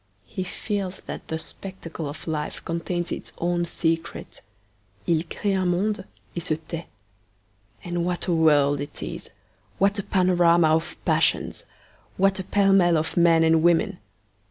He feels that the spectacle of life contains its own secret. 'II cree un monde et se tait.' And what a world it is! What a panorama of passions! What a pell mell of men and women!